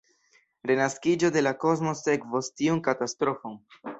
Renaskiĝo de la kosmo sekvos tiun katastrofon.